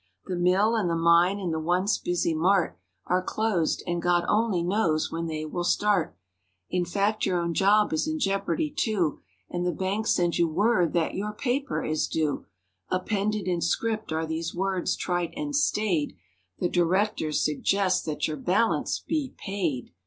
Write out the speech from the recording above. "The mill and the mine and the once busy mart Are closed, and God only knows when they will start." In fact your own job is in jeopardy, too. And the bank sends you word that "your paper is due"— Appended, in script, are these words, trite and staid: "The directors suggest that your balance be PAID!"